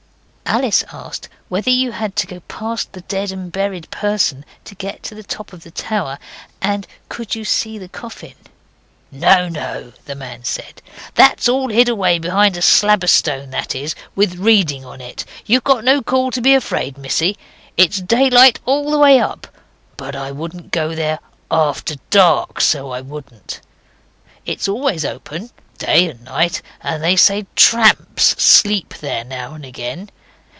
Alice asked whether you had to go past the dead and buried person to get to the top of the tower, and could you see the coffin. 'No, no,' the man said; 'that's all hid away behind a slab of stone, that is, with reading on it. You've no call to be afraid, missy. It's daylight all the way up. But I wouldn't go there after dark, so I wouldn't. It's always open, day and night, and they say tramps sleep there now and again.